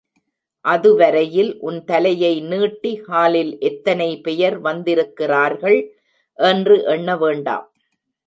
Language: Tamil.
அதுவரையில் உன் தலையை நீட்டி ஹாலில் எத்தனை பெயர் வந்திருக்கிறர்கள் என்று எண்ண வேண்டாம்!